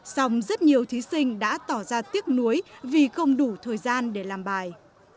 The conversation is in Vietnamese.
xong rất nhiều thí sinh đã tỏ ra tiếc nuối vì không đủ thời gian để làm bài